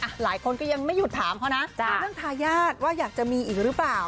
หลายคนก็ยังไม่หยุดถามเขานะเรื่องทายาทว่าอยากจะมีอีกหรือเปล่า